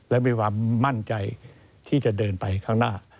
และมีความมั่นใจที่จะเดินไปข้างหน้า